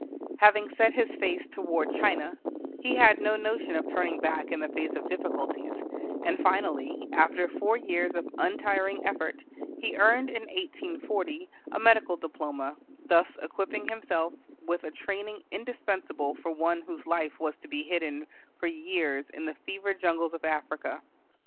Having set his face toward China, he had no notion of turning back in the face of difficulties, and finally, after four years of untiring effort, he earned in 1840 a medical diploma, thus equipping himself with a training indispensable for one whose life was to be hidden for years in the fever jungles of Africa.